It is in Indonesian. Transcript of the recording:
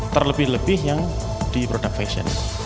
terlebih lebih yang di produk fashion